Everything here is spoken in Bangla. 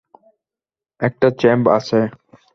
একটা চ্যাম্প আছে।